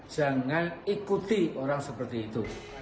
jangan ikuti orang seperti itu